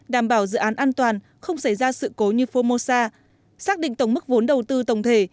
đảm bảo dự án an toàn không xảy ra sự cố như formosa xác định tổng mức vốn đầu tư tổng thể